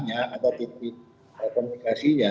atau titik komunikasinya